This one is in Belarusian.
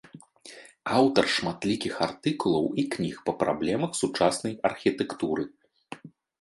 Аўтар шматлікіх артыкулаў і кніг па праблемах сучаснай архітэктуры.